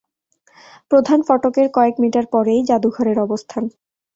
প্রধান ফটকের কয়েক মিটার পরেই জাদুঘরের অবস্থান।